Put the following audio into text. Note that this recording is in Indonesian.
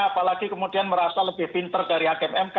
apalagi kemudian merasa lebih pinter dari hakim mk